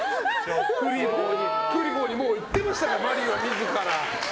クリボーに行ってましたからマリオ自ら。